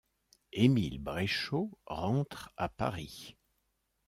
Émile Bréchot rentre à Paris.